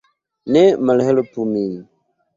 Ne malhelpu min!